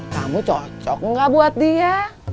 kamu cocok nggak buat dia